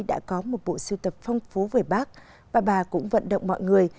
đã có một bộ sưu tầm phong phú về bắc và bà cũng vận động mọi người